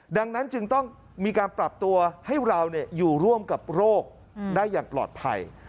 ดังนั้นจึงต้องมีการปรับตัวให้เราอยู่ร่วมกับโรคได้อย่างปลอดภัย